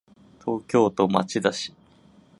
東京都町田市